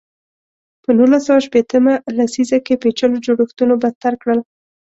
په نولس سوه شپېته مه لسیزه کې پېچلو جوړښتونو بدتر کړل.